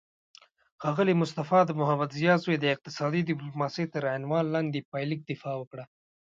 ښاغلی مصطفی د محمدضیا زوی د اقتصادي ډیپلوماسي تر عنوان لاندې پایلیک دفاع وکړه